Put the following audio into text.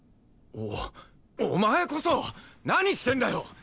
おお前こそ何してんだよ！